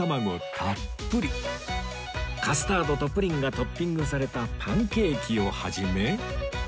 たっぷりカスタードとプリンがトッピングされたパンケーキを始め